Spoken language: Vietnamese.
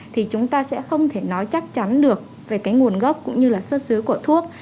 thì chúng ta sẽ không thể nói chắc chắn được về cái nguồn gốc cũng như là xuất xứ của thuốc